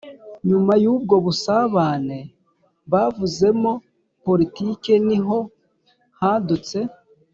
nyuma y'ubwo busabane buvanzemo politiki, ni ho hadutse